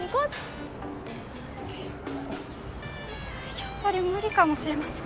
やっぱり無理かもしれません。